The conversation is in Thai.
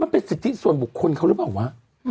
มันเป็นสิทธิส่วนบุคคลเค้ารึเปล่าวะ